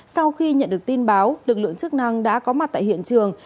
sau khi nhận được tin báo lực lượng chức năng đã có mặt tại hiện trường